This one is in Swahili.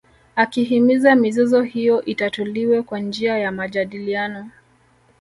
Akihimiza mizozo hiyo itatuliwe kwa njia ya majadiliano